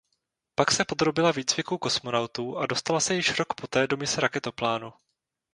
Pak se podrobila výcviku kosmonautů a dostala se již rok poté do mise raketoplánu.